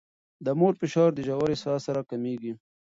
د مور فشار د ژورې ساه سره کمېږي.